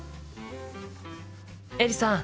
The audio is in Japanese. エリさん。